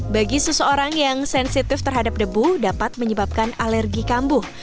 bagi seseorang yang sensitif terhadap debu dapat menyebabkan alergi kambuh